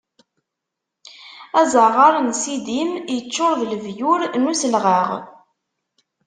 Azaɣar n Sidim iččuṛ d lebyur n uselɣaɣ.